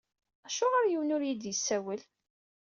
Acuɣeṛ yiwen ur yi-d-isawel?